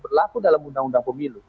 berlaku dalam undang undang pemilu